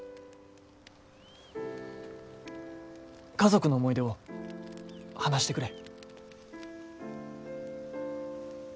家族の思い出を話してくれ。